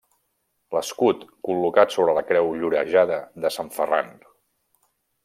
L'escut col·locat sobre la Creu Llorejada de Sant Ferran.